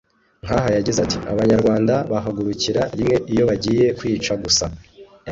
nk’aha yagize ati ‘Abanyarwanda bahagurukira rimwe iyo bagiye kwica gusa’